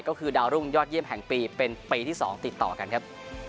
ก็คือดาวรุ่งยอดเยี่ยมแห่งปีเป็นปีที่๒ติดต่อกันครับ